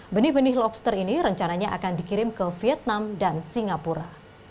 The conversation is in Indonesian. benih benih lobster ini rencananya akan dikirim ke vietnam dan singapura